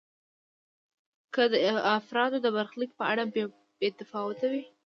که د افرادو د برخلیک په اړه بې تفاوت وي.